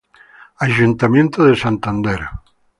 Ayuntamiento de Santander.